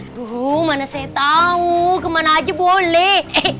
dulu mana saya tahu kemana aja boleh